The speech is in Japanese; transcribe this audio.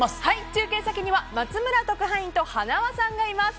中継先には松村特派員とはなわさんがいます。